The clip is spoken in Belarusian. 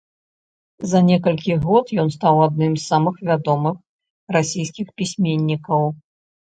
За некалькі год ён стаў адным з самых вядомых расійскіх пісьменнікаў.